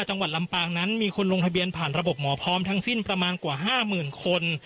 จังหวัดลำปางนั้นมีคนลงทะเบียนผ่านระบบหมอพร้อมทั้งสิ้นประมาณกว่า๕๐๐๐คน